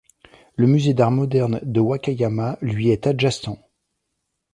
Le musée d'art moderne de Wakayama lui est adjacent.